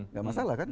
nggak masalah kan